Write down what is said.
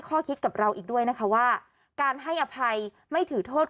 คิดกับเราอีกด้วยนะคะว่าการให้อภัยไม่ถือโทษ